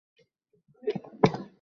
ব্যস এড়িয়ে যাচ্ছিলাম।